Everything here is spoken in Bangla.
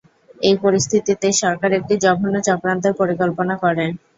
এই পরিস্থিতিতে সরকার একটি জঘন্য চক্রান্তের পরিকল্পনা করে।